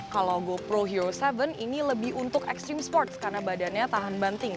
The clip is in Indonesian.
kalau goproyo tujuh ini lebih untuk extreme sports karena badannya tahan banting